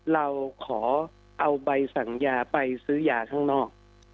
เราขอเอาใบสัญญาไปซื้อยาข้างนอก